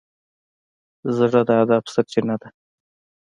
زړه د ادب سرچینه ده.